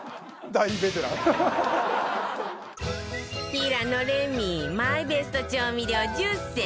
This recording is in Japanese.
平野レミマイベスト調味料１０選